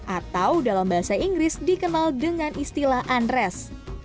atau dalam bahasa inggris dikenal dengan istilah andres